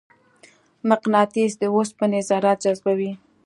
مقناطیس د اوسپنې ذرات جذبوي.